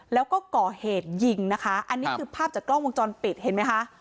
แล้วก็ก่อเหตุยิงนะคะอันนี้คือภาพจากกล้องวงจรปิดเห็นไหมคะ